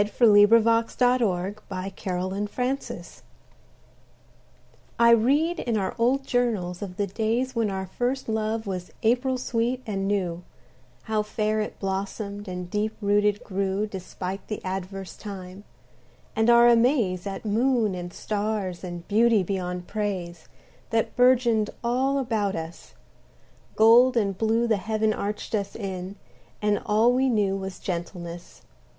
Christopher Morley The Wedded Lover I READ in our old journals of the days When our first love was April sweet and new, How fair it blossomed and deep rooted grew Despite the adverse time; and our amaze At moon and stars and beauty beyond praise That burgeoned all about us: gold and blue The heaven arched us in, and all we knew Was gentleness.